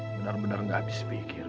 benar benar nggak habis pikir